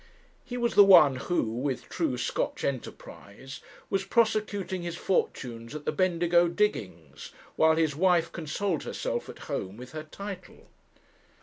He was the one who, with true Scotch enterprise, was prosecuting his fortunes at the Bendigo diggings, while his wife consoled herself at home with her title.